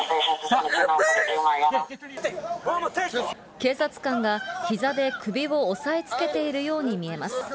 警察官がひざで首を押さえつけているように見えます。